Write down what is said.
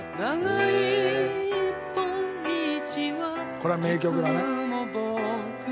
これは名曲だね。